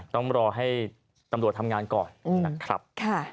ต้องรอให้ตำรวจทำงานก่อนนะครับ